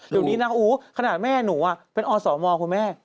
เดี๋ยวนี้นะอู๋ขนาดแม่หนูเป็นอสมคุณแม่